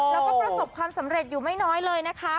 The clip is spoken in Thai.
แล้วก็ประสบความสำเร็จอยู่ไม่น้อยเลยนะคะ